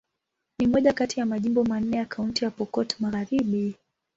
Ni moja kati ya majimbo manne ya Kaunti ya Pokot Magharibi.